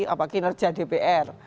apakah kinerja dpr